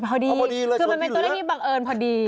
พอดีเลยคือมันเป็นตัวเลขที่บังเอิญพอดี